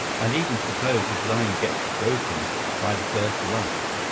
And even suppose his line gets broken by the first rush.